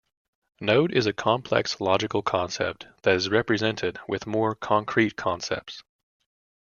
Node is a complex, logical concept that is represented with more concrete concepts.